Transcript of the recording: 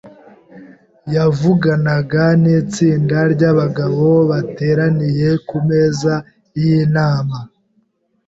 yavuganaga nitsinda ryabagabo bateraniye kumeza yinama.